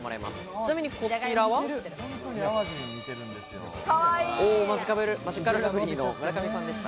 ちなみにこちらは、マヂカルラブリーの村上さんでした。